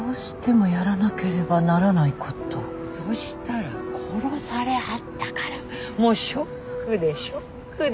そしたら殺されはったからもうショックでショックで。